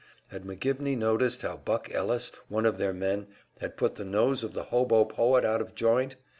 Had McGivney noticed how "Buck" Ellis, one of their men, had put the nose of the hobo poet out of joint?